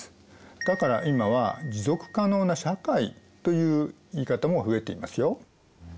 だから今は持続可能な社会という言い方も増えていますよ。